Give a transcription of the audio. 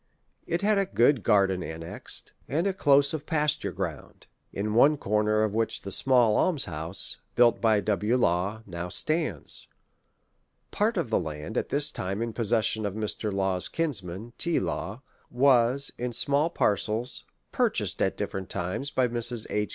It had a good garden annexed, and a close of pasture ground ; in one corner of which the small alms house, built by W. Law, now stands. Part of the land, at this time in possession of Mr. Law's kinsman, T. Law, was, in small parcels, purchased at different times by Mrs. H.